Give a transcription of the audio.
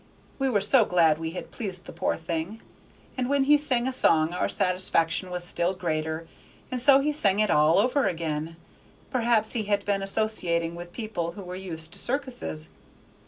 We were so glad we had pleased the poor thing; and when he sang a song our satisfaction was still greater, and so he sang it all over again. Perhaps he had been associating with people who were used to circuses.